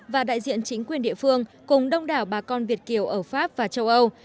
và đại diện chính quyền địa phương cùng đông đảo bà con việt kiều ở pháp và châu âu